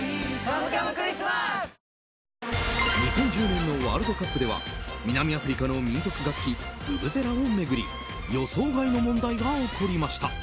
２０１０年のワールドカップでは南アフリカの民族楽器ブブゼラを巡り予想外の問題が起こりました。